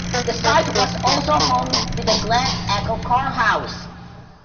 The site was also home to the Glen Echo Carhouse.